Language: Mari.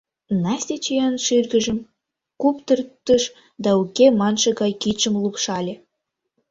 Настя чоян шӱргыжым куптыртыш да «уке» манше гай кидшым лупшале.